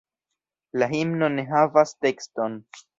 La himno ne havas tekston.